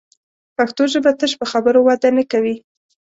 پښتو ژبه تش په خبرو وده نه کوي